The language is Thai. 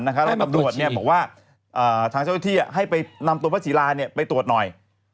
หลังจารย์บอกว่าทางเจ้าวิทย์ต้องไปนำพระศีราไปตรวจหน่อย